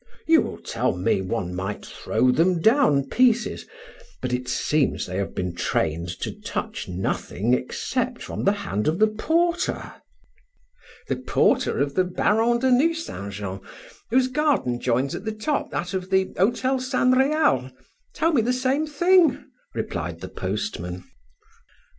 You will tell me one might throw them down pieces, but it seems they have been trained to touch nothing except from the hand of the porter." "The porter of the Baron de Nucingen, whose garden joins at the top that of the Hotel San Real, told me the same thing," replied the postman.